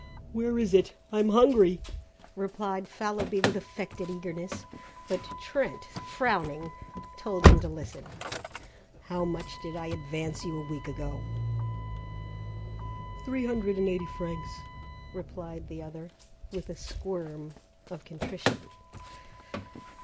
"Where is it? I'm hungry," replied Fallowby with affected eagerness, but Trent, frowning, told him to listen. "How much did I advance you a week ago?" "Three hundred and eighty francs," replied the other, with a squirm of contrition.